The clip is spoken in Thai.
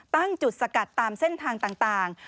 ตั้งจุดสกัดตามเส้นทางต่าง